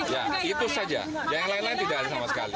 ya itu saja yang lain lain tidak ada sama sekali